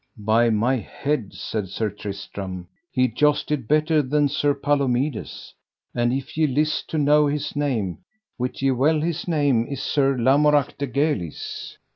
By my head, said Sir Tristram, he jousted better than Sir Palomides, and if ye list to know his name, wit ye well his name is Sir Lamorak de Galis.